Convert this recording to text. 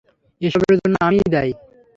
এসবের জন্য আমিই দায়ী।